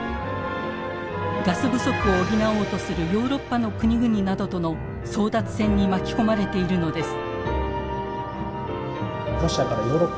ガス不足を補おうとするヨーロッパの国々などとの争奪戦に巻き込まれているのです。